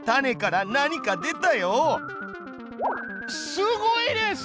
すごいです！